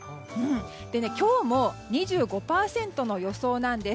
今日も２５％の予想なんです。